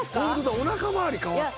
おなかまわり変わった。